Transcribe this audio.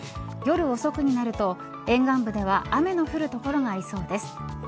夜遅くになると沿岸部では雨の降る所がありそうです。